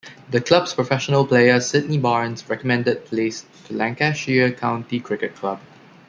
The club's professional player, Sydney Barnes, recommended Place to Lancashire County Cricket Club.